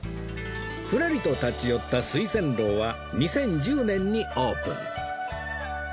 ふらりと立ち寄った酔仙楼は２０１０年にオープン